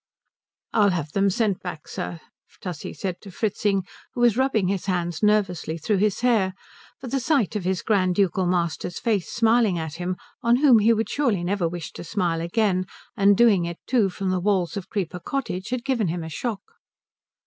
"I'll have them sent back, sir," Tussie said to Fritzing, who was rubbing his hands nervously through his hair; for the sight of his grand ducal master's face smiling at him on whom he would surely never wish to smile again, and doing it, too, from the walls of Creeper Cottage, had given him a shock.